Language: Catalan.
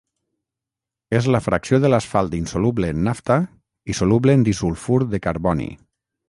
És la fracció de l'asfalt insoluble en nafta i soluble en disulfur de carboni.